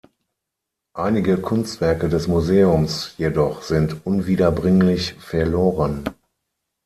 Einige Kunstwerke des Museums jedoch sind unwiederbringlich verloren.